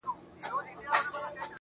• زه درته څه ووايم.